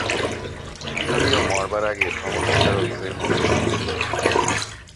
তুমিও মরবার আগে ধর্মপ্রচারক হয়ে মরবে দেখছি।